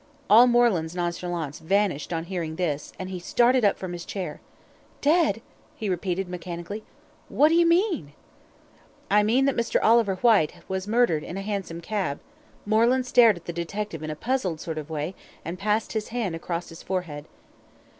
All Moreland's nonchalance vanished on hearing this, and he started up from his chair. "Dead," he repeated mechanically. "What do you mean?" "I mean that Mr. Oliver Whyte was murdered in a hansom cab." Moreland stared at the detective in a puzzled sort of way, and passed his hand across his forehead.